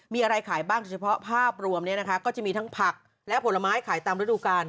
มีอะไรขายบ้างเฉพาะภาพรวมเนี่ยนะคะก็จะมีทั้งผักและผลไม้ขายตามฤดูกาล